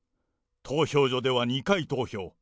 投票所では２回投票。